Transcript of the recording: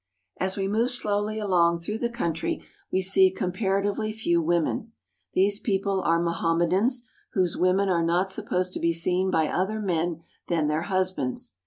As we move slowly along through the country, we see comparatively few women. These people are Mohamme dans, whose women are not supposed to be seen by other men than their husbands.